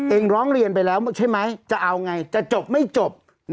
ร้องเรียนไปแล้วใช่ไหมจะเอาไงจะจบไม่จบ